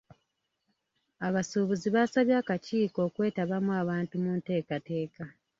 Abasuubuzi baasabye akakiiko okwetabamu abantu mu nteekateeka.